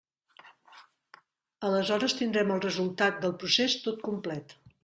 Aleshores tindrem el resultat del procés tot complet.